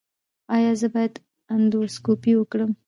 ایا زه باید اندوسکوپي وکړم؟